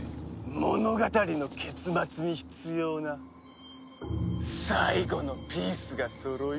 物語の結末に必要な最後のピースがそろい